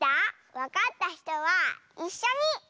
わかったひとはいっしょに！